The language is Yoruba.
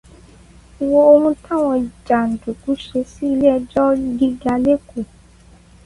Wo ohun táwọn jàǹdùkú ṣe sí ilé ẹjọ́ jíga l'Ékòó.